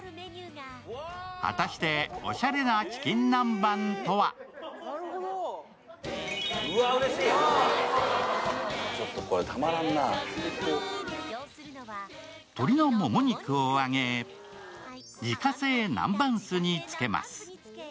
果たしておしゃれなチキン南蛮とは鶏のもも肉を揚げ、自家製南蛮酢につけます。